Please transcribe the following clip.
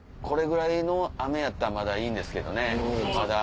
これぐらいの雨やったらまだいいんですけどね。